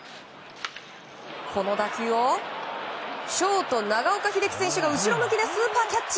この打球をショート、長岡秀樹選手が後ろ向きでスーパーキャッチ！